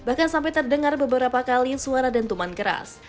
bahkan sampai terdengar beberapa kali suara dentuman keras